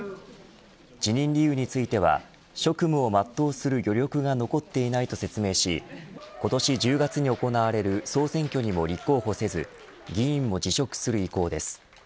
辞任理由については職務を全うする余力が残っていないと説明し今年１０月に行われる総選挙にも立候補せず議員も辞職する意向です。